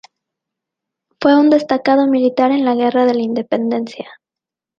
Fue un destacado militar en la Guerra de la Independencia.